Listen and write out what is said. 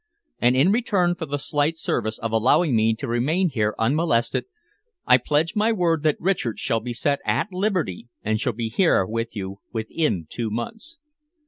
And in return for the slight service of allowing me to remain here unmolested, I pledge my word that Richard shall be set at liberty and shall be here with you within two months."